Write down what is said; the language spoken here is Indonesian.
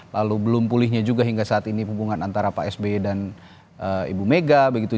lalu belum pulihnya juga hingga saat ini hubungan antara pak sby dan ibu mega begitu